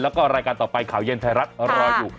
แล้วก็รายการต่อไปข่าวเย็นไทยรัฐรออยู่